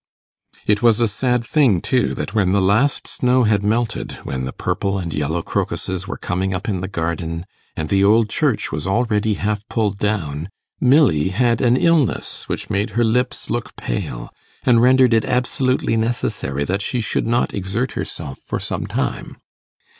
It was a sad thing, too, that when the last snow had melted, when the purple and yellow crocuses were coming up in the garden, and the old church was already half pulled down, Milly had an illness which made her lips look pale, and rendered it absolutely necessary that she should not exert herself for some time.